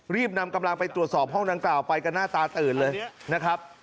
รีบนำกำลังไปตรวจสอบห้องดังกล่าวไปกันหน้าตาตื่นเลยนะครับ